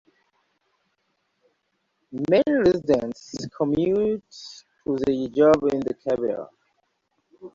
Many residents commute to their job in the capital.